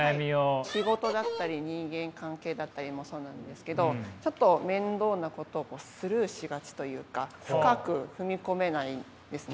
仕事だったり人間関係だったりもそうなんですけどちょっと面倒なことをスルーしがちというか深く踏み込めないんですね。